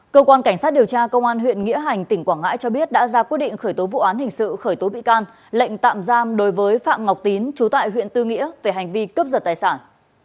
cơ quan cảnh sát điều tra công an huyện nghĩa hành tỉnh quảng ngãi cho biết đã ra quyết định khởi tố vụ án hình sự khởi tố bị can lệnh tạm giam đối với phạm ngọc tín trú tại huyện tư nghĩa về hành vi cướp giật tài sản